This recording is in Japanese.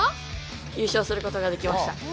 優勝することができました。